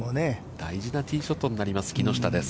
大事なティーショットになります木下です。